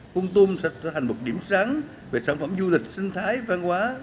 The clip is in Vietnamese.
con tôm sẽ thành một điểm sáng về sản phẩm du lịch sinh thái văn hóa